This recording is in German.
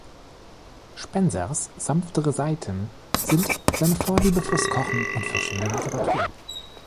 Spensers sanftere Seiten sind seine Vorliebe fürs Kochen und für schöne Literatur.